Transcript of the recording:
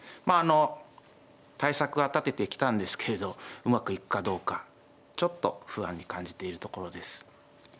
まあ対策は立ててきたんですけれどうまくいくかどうかちょっと不安に感じているところです。